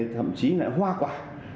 thậm chí là hoa quả